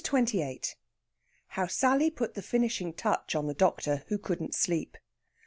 CHAPTER XXVIII HOW SALLY PUT THE FINISHING TOUCH ON THE DOCTOR, WHO COULDN'T SLEEP.